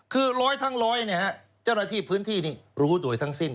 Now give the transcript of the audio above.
คือร้อยทั้งร้อยเจ้าหน้าที่พื้นที่นี้รู้โดยทั้งสิ้น